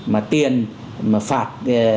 mà tiền mà phạt